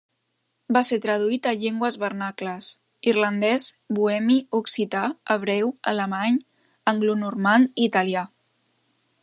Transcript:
Va ser traduït a llengües vernacles: irlandès, bohemi, occità, hebreu, alemany, anglonormand, i italià.